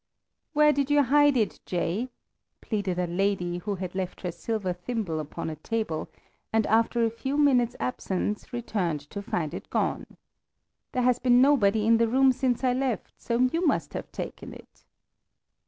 "Where did you hide it, Jay?" pleaded a lady, who had left her silver thimble upon a table, and after a few minutes' absence returned to find it gone. "There has been nobody in the room since I left, so you must have taken it."